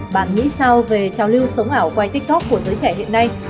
bạn nghĩ sao về trao lưu sống ảo quay tiktok của giới trẻ hiện nay